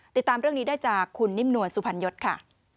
ติดตามเรื่องนี้ได้จากคุณนิ่มนวลสุพรรณยศค่ะ